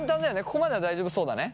ここまでは大丈夫そうだね？